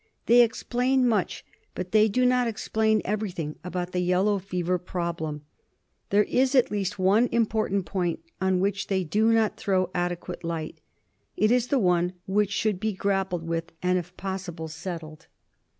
They explain much, but they do not explain everything about the yellow fever problem. There is at least one important point on which they do not throw adequate light. It is one which should be grappled with, and if possible settled.